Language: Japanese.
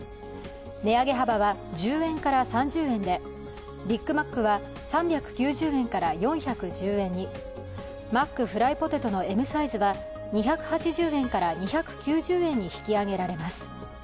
値上げ幅は１０円から３０円でビッグマックは３９０円から４１０円にマックフライポテトのＭサイズは２８０円から２９０円に引き上げられます。